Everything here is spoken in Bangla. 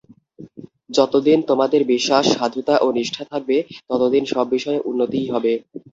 যতদিন তোমাদের বিশ্বাস, সাধুতা ও নিষ্ঠা থাকবে, ততদিন সব বিষয়ে উন্নতিই হবে।